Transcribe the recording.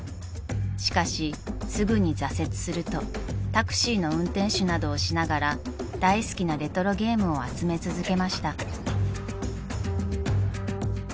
［しかしすぐに挫折するとタクシーの運転手などをしながら大好きなレトロゲームを集め続けました］